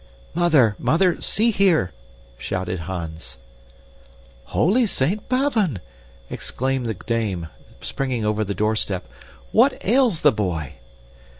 "Mother! Mother! See here!" shouted Hans. "Holy Saint Bavon!" exclaimed the dame, springing over the doorstep. "What ails the boy!"